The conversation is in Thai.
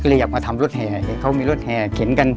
อยากมาทำรถแห่เขามีรถแห่เข็นกัน